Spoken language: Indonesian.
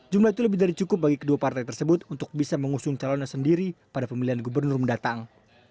jumlah itu lebih dari cukup bagi kedua partai tersebut untuk bisa mengusung calonnya sendiri pada pemilihan gubernur mendatang